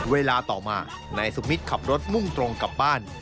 เวลาต่อมานายสุมิตรขับรถมุ่งตรงกลับบ้าน